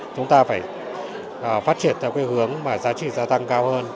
chúng ta phải phát triển theo cái hướng mà giá trị gia tăng cao hơn